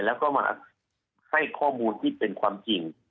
แล้วก็มาให้ข้อมูลที่เป็นความจริง